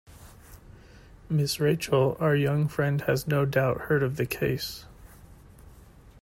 Mrs. Rachael, our young friend has no doubt heard of the case.